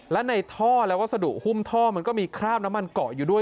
และในท่อและวัสดุหุ้มท่อมันก็มีคราบน้ำมันเกาะอยู่ด้วย